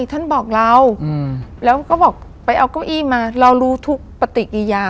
ท่านบอกเราแล้วก็บอกไปเอาเก้าอี้มาเรารู้ทุกปฏิกิยา